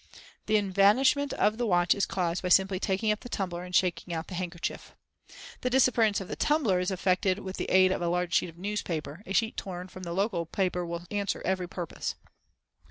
The evanishment of the watch is caused by simply taking up the tumbler and shaking out the handkerchief. The disappearance of the tumbler is effected with the aid of a large sheet of newspaper; a sheet torn from the local paper will answer every purpose.